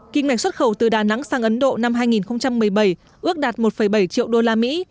kinh mạch xuất khẩu từ đà nẵng sang ấn độ năm hai nghìn một mươi bảy ước đạt một bảy triệu đô la mỹ